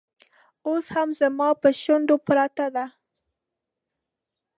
اوس هم زما پر شونډو پرته ده